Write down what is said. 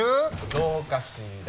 どうかしら？